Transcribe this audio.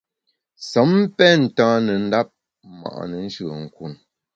Sem pen ntane ndap ma’ne nshùe’nkun.